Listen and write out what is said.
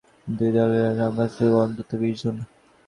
দুই দলের সংঘর্ষে আহত হয়েছেন অন্তত বিশ জন।